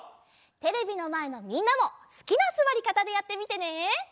テレビのまえのみんなもすきなすわりかたでやってみてね！